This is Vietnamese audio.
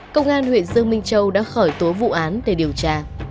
công an huyện dương minh châu đã khởi tố vụ án để điều tra